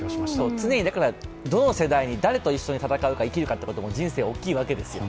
常にどの世代、誰と一緒に戦うか生きるかということも大きいんですよね。